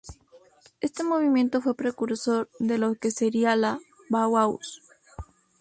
Este movimiento fue precursor de lo que sería la Bauhaus.